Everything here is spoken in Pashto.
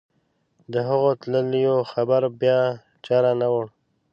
د هغو تللیو خبر بیا چا رانه وړ.